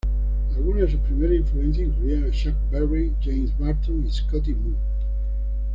Algunas de sus primeras influencias incluían a Chuck Berry, James Burton y Scotty Moore.